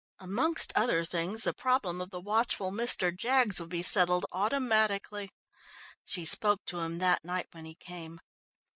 Amongst other things, the problem of the watchful Mr. Jaggs would be settled automatically. She spoke to him that night when he came.